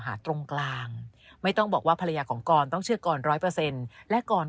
หาตรงกลางไม่ต้องบอกว่าภรรยาของกรต้องเชื่อกร๑๐๐และกร